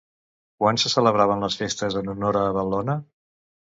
Quan se celebraven les festes en honor a Bel·lona?